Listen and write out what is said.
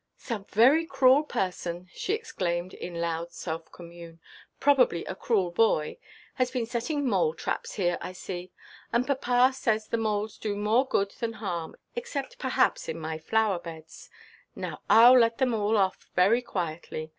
"Some very cruel person," she exclaimed, in loud self–commune, "probably a cruel boy, has been setting mole–traps here, I see. And papa says the moles do more good than harm, except perhaps in my flower–beds. Now Iʼll let them all off very quietly.